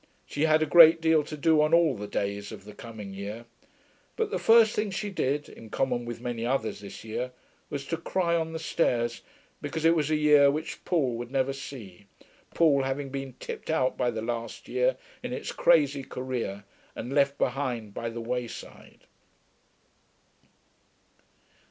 She had a great deal to do on all the days of the coming year. But the first thing she did (in common with many others this year) was to cry on the stairs, because it was a year which Paul would never see, Paul having been tipped out by the last year in its crazy career and left behind by the wayside.